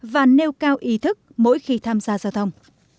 và nêu cao ý thức mỗi khi tham gia giao thông